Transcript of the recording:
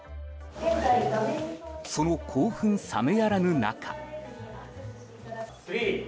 その興奮冷めやらぬ中。